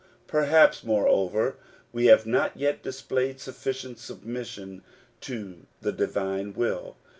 Perhaps, moreover, we have not yet displayed sufficient submission to the divine will.